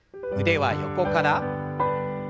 腕は横から。